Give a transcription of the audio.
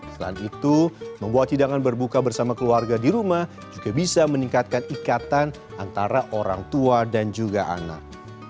selain itu membuat hidangan berbuka bersama keluarga di rumah juga bisa meningkatkan ikatan antara orang tua dan juga anak